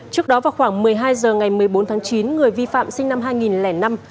trước đó vào khoảng một mươi hai h ngày một mươi bốn tháng chín người vi phạm sinh năm hai nghìn năm